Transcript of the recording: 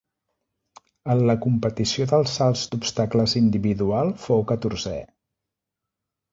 En la competició dels salts d'obstacles individual fou catorzè.